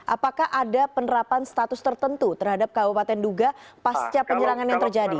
apakah ada penerapan status tertentu terhadap kabupaten duga pasca penyerangan yang terjadi